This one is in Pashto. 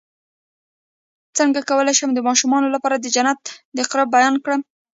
څنګه کولی شم د ماشومانو لپاره د جنت د قرب بیان کړم